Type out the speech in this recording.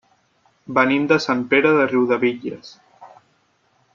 Venim de Sant Pere de Riudebitlles.